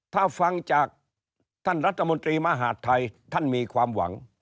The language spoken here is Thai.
ถ้าฟังจากท่านรัฐมนตรีมหาดไทยท่านมีความหวัง